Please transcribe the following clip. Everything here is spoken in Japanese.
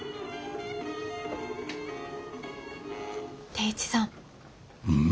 定一さん。